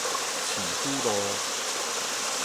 市府路